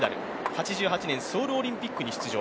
８８年ソウルオリンピックに出場。